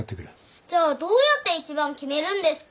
じゃあどうやって１番決めるんですか？